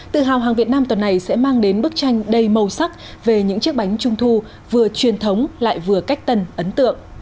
tự hào hàng việt nam tuần này sẽ mang đến bức tranh đầy màu sắc về những chiếc bánh trung thu vừa truyền thống lại vừa cách tân ấn tượng